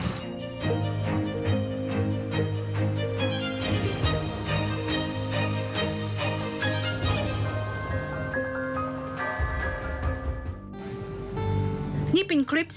ทีมข่าวของเรานำเสนอรายงานพิเศษ